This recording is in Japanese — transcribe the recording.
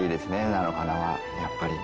菜の花はやっぱり。